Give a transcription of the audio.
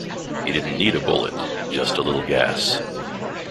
He didn't need a bullet, just a little gas.